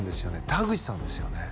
田口さんですよね